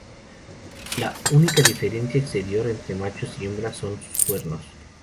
La única diferencia exterior entre machos y hembras son sus cuernos.